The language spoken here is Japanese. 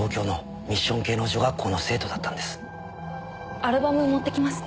アルバム持ってきますね。